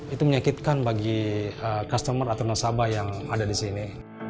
itu menyakitkan bagi customer atau nasabah yang ada di sini